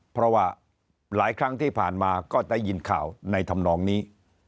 เพราะว่าหลายครั้งที่ผ่านมาก็ได้ยินข่าวในธรรมนองนี้